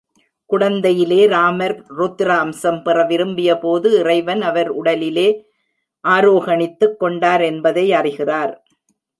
குடந்தையிலே, ராமர் ருத்திர அம்சம் பெற விரும்பியபோது இறைவன் அவர் உ.டலிலே ஆரோகணித்துக் கொண்டார் என்பதை அறிகிறார்.